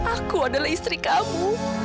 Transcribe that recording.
aku adalah istri kamu